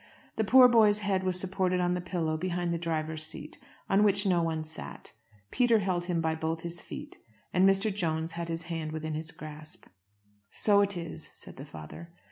The poor boy's head was supported on the pillow behind the driver's seat, on which no one sat. Peter held him by both his feet, and Mr. Jones had his hand within his grasp. "So it is," said the father.